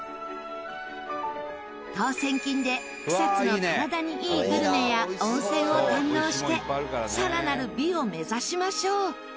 当せん金で草津の体にいいグルメや温泉を堪能してさらなる美を目指しましょう！